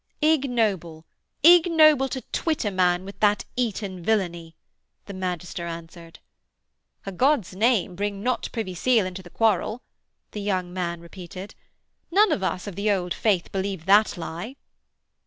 'Ignoble, ignoble, to twit a man with that Eton villainy,' the magister answered. 'A God's name bring not Privy Seal into the quarrel,' the young man repeated. 'None of us of the Old Faith believe that lie.'